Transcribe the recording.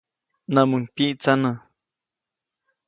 Näʼmuŋ pyiʼtsanä.